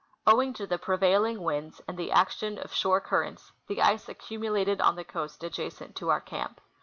Owing to the pre vailing Avinds and the action of shore currents, the ice accumu lated on the coast adjacent to our camp.